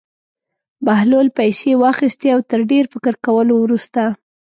بهلول پېسې واخیستې او تر ډېر فکر کولو وروسته.